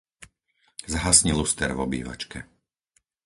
Zhasni luster v obývačke.